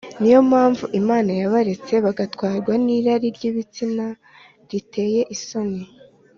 Ni yo mpamvu Imana yabaretse bagatwarwa n irari ry ibitsina m riteye isoni